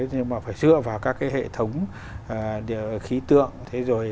nhưng mà phải dựa vào các cái hệ thống khí tượng